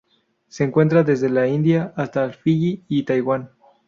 Se encuentra desde la India hasta Fiyi y Taiwán.